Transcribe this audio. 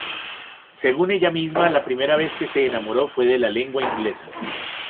Según ella misma, la primera vez que se enamoró fue de la Lengua Inglesa.